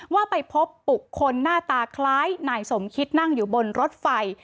ว่าไปพบบุคคลหน้าตาคล้ายนายสมคิดนั่งอยู่บนรถไฟ